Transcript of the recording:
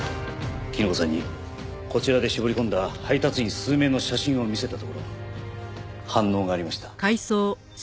絹子さんにこちらで絞り込んだ配達員数名の写真を見せたところ反応がありました。